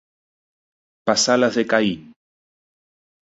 Passar les de Caín.